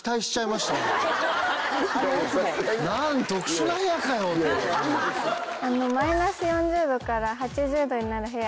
特殊な部屋かよ！